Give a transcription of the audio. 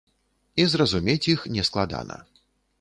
І зразумець іх нескладана.